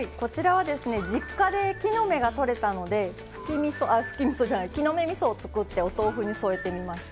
実家で木の芽がとれたので木の芽みそを作ってお豆腐に添えてみました。